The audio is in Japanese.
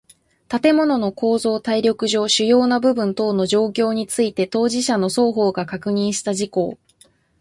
建物の構造耐力上主要な部分等の状況について当事者の双方が確認した事項